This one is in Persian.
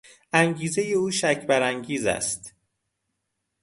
انگیزهی او شک برانگیز است.